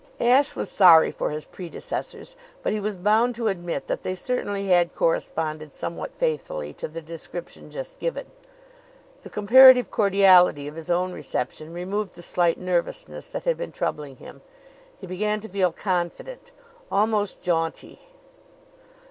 Ashe was sorry for his predecessors, but he was bound to admit that they certainly had corresponded somewhat faithfully to the description just given. The comparative cordiality of his own reception removed the slight nervousness that had been troubling him. He began to feel confident almost jaunty.